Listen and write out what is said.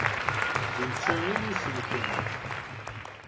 D netta i yi-isellken.